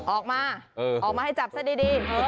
ออกมาออกมาให้จับซะดี